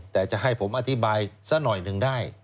แต่จะให้ผมอธิบายสักหน่อยหนึ่งได้